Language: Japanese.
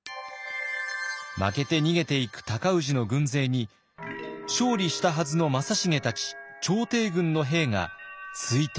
負けて逃げていく尊氏の軍勢に勝利したはずの正成たち朝廷軍の兵がついて行くのです。